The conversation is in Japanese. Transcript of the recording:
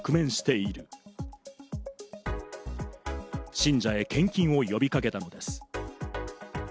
信者へ、献金を呼び掛けたのです。